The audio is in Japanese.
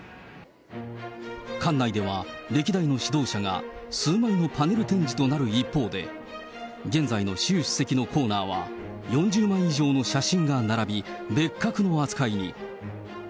館内では歴代の指導者が数枚のパネル展示となる一方で、現在の習主席のコーナーは、４０枚以上の写真が並び、別格の扱いに。